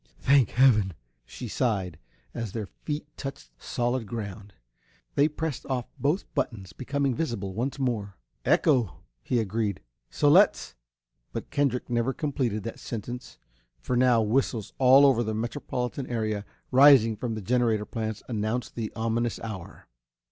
"Thank heaven!" she sighed, as their feet touched solid ground. They pressed off both buttons, becoming visible once more. "Echo!" he agreed. "So let's "But Kendrick never completed that sentence for now whistles all over the metropolitan area, rising from the generating plants, announced the ominous hour.